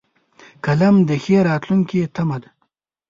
قلم د ښې راتلونکې تمه ده